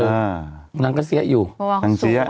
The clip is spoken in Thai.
เมื่อวานเขาสูงไว้นางเสี้ยอยู่นางเสี้ยอยู่